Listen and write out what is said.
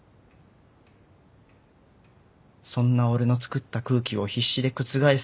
そんな俺のつくった空気を必死で覆すために。